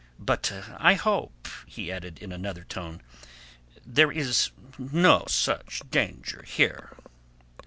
But I hope," he ended in another tone, "there is no such danger here."